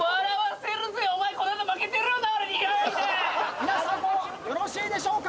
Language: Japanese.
皆さんもよろしいでしょうか？